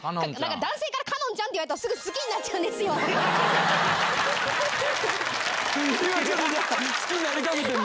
男性からかのんちゃんって言われるとすぐ好きになっちゃうん好きになりかけてるの？